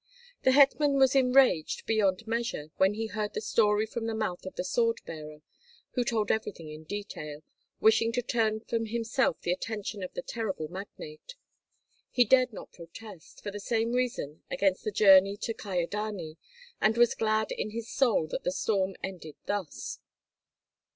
The hetman was enraged beyond measure when he heard the story from the mouth of the sword bearer, who told everything in detail, wishing to turn from himself the attention of the terrible magnate. He dared not protest, for the same reason, against the journey to Kyedani, and was glad in his soul that the storm ended thus.